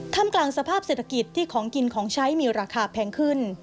กลางสภาพเศรษฐกิจที่ของกินของใช้มีราคาแพงขึ้น